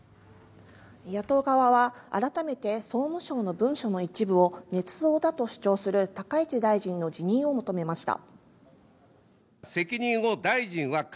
野党側は改めて総務省の文書の一部をねつ造だと主張する高市大臣の辞任を求めました。